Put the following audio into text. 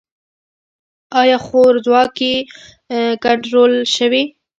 آیا خوارځواکي کنټرول شوې؟